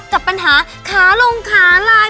กับปัญหาขาลงขาลาย